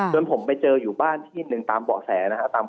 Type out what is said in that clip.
จนผมไปเจออยู่บ้านที่หนึ่งตามเบาะแสนะครับ